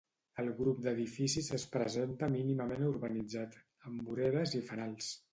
El grup d'edificis es presenta mínimament urbanitzat, amb voreres i fanals.